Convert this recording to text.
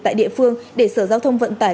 tại địa phương để sở giao thông vận tải